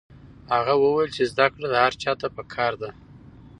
هغه وویل چې زده کړه هر چا ته پکار ده.